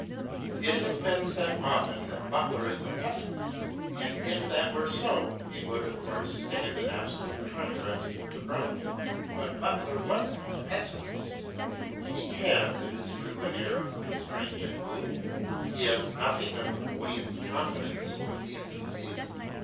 It has been often said that Butler is a pessimist ; 214 BROWNING AND BUTLER and if that were so, he would, of course, stand in .absolute contrast to Browning. But Butler was no pessimist. He has, it is true, an air of con straint and gloom. He has nothing of the buoyant confidence of the enthusiast.